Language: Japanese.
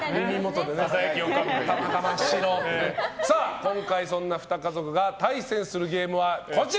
今回、そんな２家族が対戦するゲームはこちら。